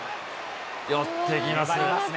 寄っていきます。